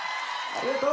ありがとう！